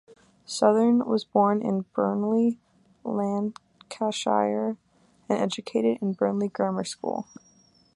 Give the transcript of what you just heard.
Southern was born in Burnley, Lancashire and educated at Burnley Grammar School.